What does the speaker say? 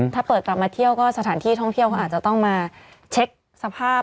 ถ้าเปิดกลับมาเที่ยวก็สถานที่ท่องเที่ยวเขาอาจจะต้องมาเช็คสภาพ